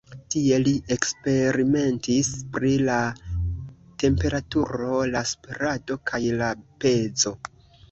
Tie li eksperimentis pri la temperaturo, la spirado kaj la pezo.